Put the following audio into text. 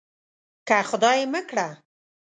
که خدای مه کړه.